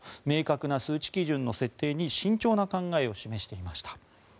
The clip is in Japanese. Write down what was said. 明確な数値基準の設定に慎重な考えを示していました。